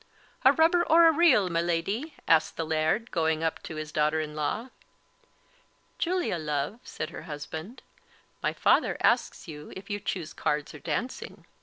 "A rubber or a reel, my Leddie?" asked the Laird, going up to his daughter in law. "Julia, love," said her husband, "my father asks you if you choose cards or dancing."